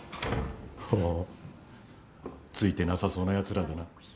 ほおついてなさそうな奴らだな。